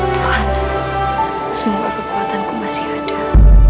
tuhan semoga kekuatanku masih ada